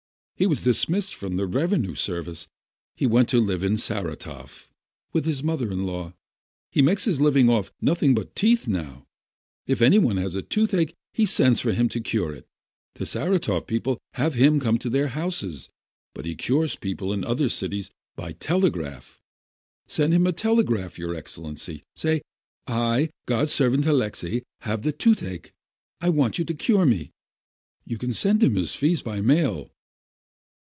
"After he was dismissed from the revenue service, he went to live in Saratoff with his mother in law. He makes his living off nothing but teeth now. If 272 Digitized byV^iOOQLC A HORSEY NAME 27S any one has a toothache, he sends for him to сшр 4£ The Saratoff people have him come to their houses, but he cures people in other cities by telegraph. SSfcd him a telegram, your Excellency, say: 'I, God's servant Alexei, have the toothache. I want you to cure me. 9 You can send him his fee by mail."